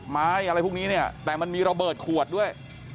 อะไรพวกนี้เนี่ยแต่มันมีระเบิดขวดด้วย